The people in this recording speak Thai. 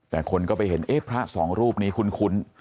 แต่คนก็ไปเห็นเอ๊ะพระสองรูปนี้คุ้น